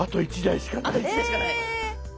あと１台しかない！え！